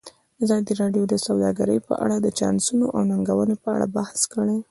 ازادي راډیو د سوداګري په اړه د چانسونو او ننګونو په اړه بحث کړی.